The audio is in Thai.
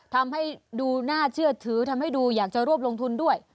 ทำให้ดูน่าเชื่อถือทำให้ดูอยากจะรวบลงทุนด้วย